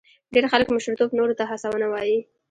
ډېر خلک مشرتوب نورو ته هڅونه وایي.